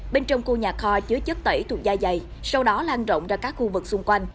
bên trong khu nhà kho chứa chất tẩy thuộc da dày sau đó lan rộng ra các khu vực xung quanh